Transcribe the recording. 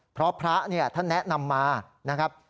เพราะพระเนี่ยท่านแนะนำมานะครับ